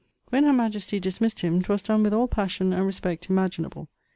When her majestie dismissed him, 'twas donne with all passion and respecte imaginable.